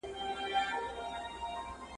پک نه پر سر تار لري، نه په غوړو کار لري.